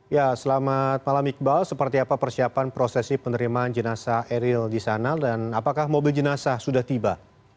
ya selamat malam iqbal seperti apa persiapan prosesi penerimaan jenazah eril di sana dan apakah mobil jenazah sudah tiba